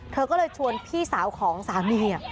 เธอก็เลยชวนพี่สาวของสามี